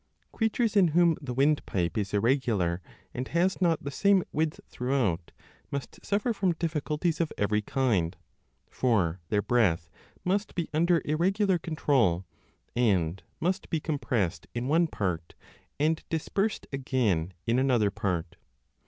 Creatures in whom the windpipe is irregular and has not the same width throughout must suffer from difficulties of every kind ; for their breath must be under irregular control, and must be compressed 5 in one part and dispersed again in another part.